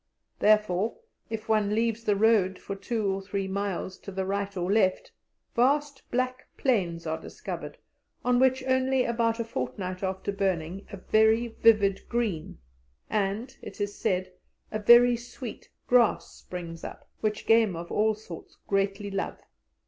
Therefore, if one leaves the road for two or three miles to the right or left, vast black plains are discovered, on which only about a fortnight after burning a very vivid green, and, it is said, a very sweet, grass springs up, which game of all sorts greatly love.